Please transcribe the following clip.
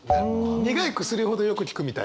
苦い薬ほどよく効くみたいな？